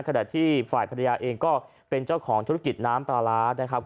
ขณะที่ฝ่ายภรรยาเองก็เป็นเจ้าของธุรกิจน้ำปลาร้านะครับ